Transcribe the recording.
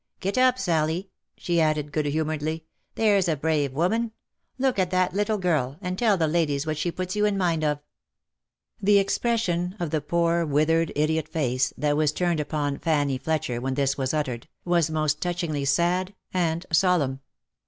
Get up, Sally !" she added, good humouredly. " There's a brave woman ! Look at that little girl, and tell the ladies what she puts you in mind of." The expression of the poor withered, idiot face, that was turned upon Fanny Fletcher when this was uttered, was most touchingly sad and solemn.